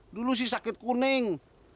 dulu sih sakit kuning